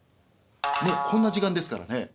「もうこんな時間ですからね